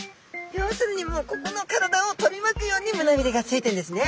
要するにもうここの体を取り巻くようにむなびれがついてるんですね。